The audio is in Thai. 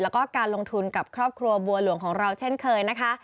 แล้วก็การลงทุนกับครอบครัวบัวหลวงของเราเช่นเคยนะคะ